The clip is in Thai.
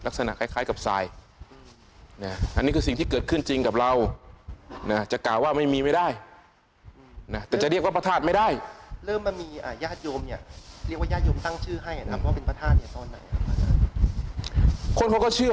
คนเขาก็เชื่อว่าเป็นพระธาตุ